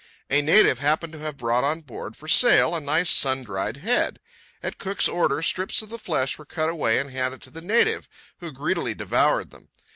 A native happened to have brought on board, for sale, a nice, sun dried head. At Cook's orders strips of the flesh were cut away and handed to the native, who greedily devoured them.